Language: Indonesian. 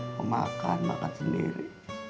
mau makan makan sendiri